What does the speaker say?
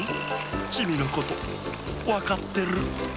チミのことわかってる。